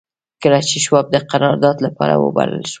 کله چې شواب د قرارداد لپاره وبلل شو.